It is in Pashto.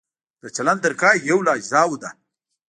د چلند طریقه یو له اجزاوو ده.